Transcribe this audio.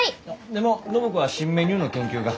でも暢子は新メニューの研究が。